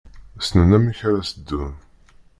Ssnen amek ara s-ddun.